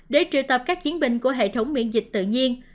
để triệu tập các chiến binh của hệ thống miễn dịch tự nhiên